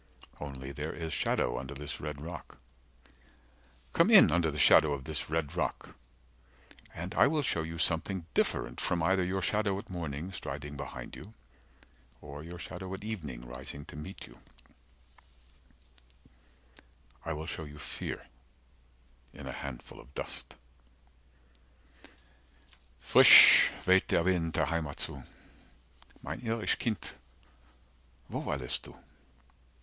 Only There is shadow under this red rock, 25 (Come in under the shadow of this red rock), And I will show you something different from either Your shadow at morning striding behind you Or your shadow at evening rising to meet you; I will show you fear in a handful of dust. 30 Frisch weht der Wind Der Heimat zu, Mein Irisch Kind, Wo weilest du?